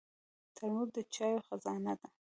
ترموز د چایو خزانه ده.